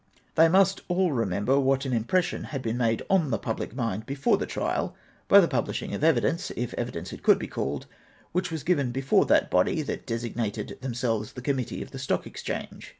They must all remember what an impression had been made on the public mind before the trial by the publishing of evidence, if evidence it could be called, which was given before that body that designated themselves the Committee of the Stock Excliange.